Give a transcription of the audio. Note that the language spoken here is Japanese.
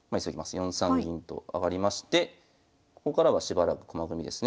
４三銀と上がりましてここからはしばらく駒組みですね。